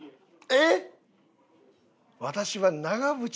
えっ？